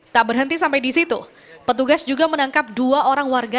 tak berhenti sampai di situ petugas juga menangkap dua orang warga